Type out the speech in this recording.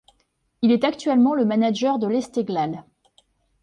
Il est actuellement le manager de l'Esteghlal.